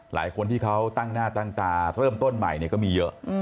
หลายคนที่เขาตั้งหน้าตั้งตาเริ่มต้นใหม่ก็มีเยอะ